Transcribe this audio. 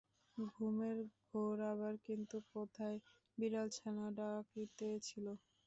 ঘুমের ঘোরে আবার কিন্তু কোথায় বিড়ালছানা ডাকিতেছিল।